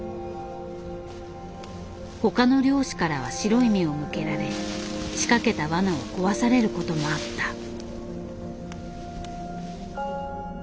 他の猟師からは白い目を向けられ仕掛けたわなを壊されることもあった。